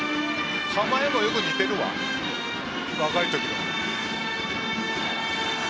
構えもよく似ているわ、若い時と。